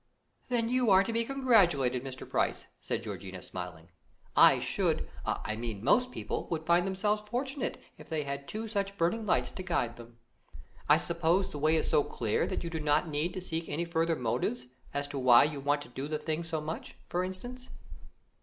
"Then you are decidedly to be congratulated, Mr. Price," said Georgiana, smiling. "I should I mean, most people would think themselves fortunate if they had two such burning lights to guide them. I suppose the way is so clear that you do not need to seek any further motives, as to why you want to do the thing so much, for instance?"